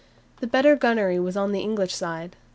The better gunnery was on the English side.